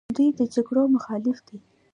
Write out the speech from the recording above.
دوی د جګړو مخالف دي.